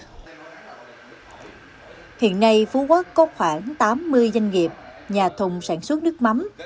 hiện nay phú quốc có khoảng tám mươi doanh nghiệp nhà thùng sản xuất nước mắm